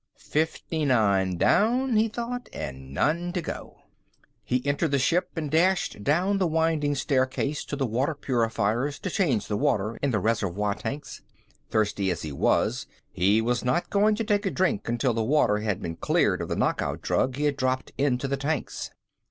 Fifty nine down, he thought, and none to go. He entered the ship and dashed down the winding staircase to the water purifiers to change the water in the reservoir tanks. Thirsty as he was, he was not going to take a drink until the water had been cleared of the knockout drug he had dropped into the tanks.